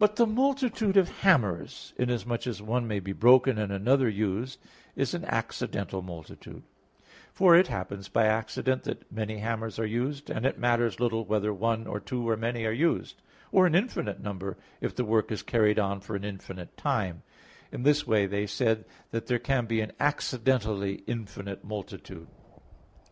But the multitude of hammers, inasmuch as one may be broken and another used, is an accidental multitude; for it happens by accident that many hammers are used, and it matters little whether one or two, or many are used, or an infinite number, if the work is carried on for an infinite time. In this way they said that there can be an accidentally infinite multitude.